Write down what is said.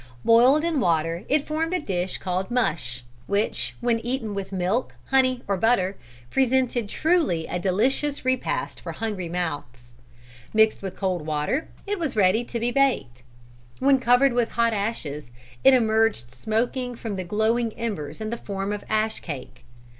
Boiled in water it formed a dish called mush, which when eaten with milk, honey or butter, presented truly a delicious repast for hungry mouths. Mixed with cold water, it was ready to be baked. When covered with hot ashes, it emerged smoking from the glowing embers in the form of Ash Cake.